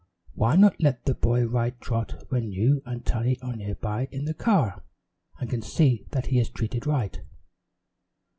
"Why not let the boy ride Trot when you and Tiny are nearby in the car, and can see that he is treated right?"